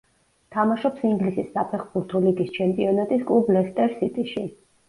თამაშობს ინგლისის საფეხბურთო ლიგის ჩემპიონატის კლუბ „ლესტერ სიტიში“.